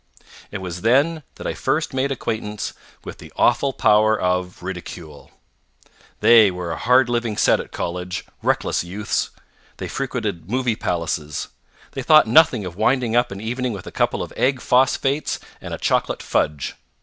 It was then that I first made acquaintance with the awful power of ridicule. They were a hard living set at college reckless youths. They frequented movie palaces. They thought nothing of winding up an evening with a couple of egg phosphates and a chocolate fudge.